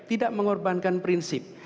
tidak mengorbankan prinsip